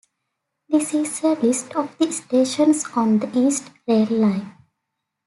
This is a list of the stations on the East Rail Line.